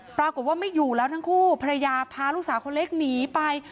ปรากฏว่าไม่อยู่แล้วทั้งคู่ภรรยาพาลูกสาวคนเล็กหนีไป